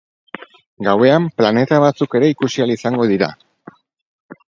Gauean planeta batzuk ere ikusi ahal izango dira.